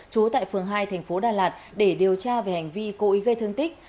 trú tại phường hai tp đà lạt để điều tra về hành vi cố ý gây thương tích